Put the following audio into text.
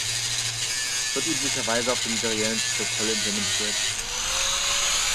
Es wird üblicherweise auf dem seriellen Protokoll implementiert.